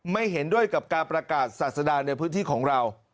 ไม่เห็นด้วยกับการประกาศศาสดาในพื้นที่ของเรา